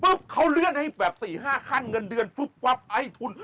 ปุ๊บเขาเลื่อนให้แบบสี่ห้าขั้นเงินเดือนปุ๊บไอ้ทุน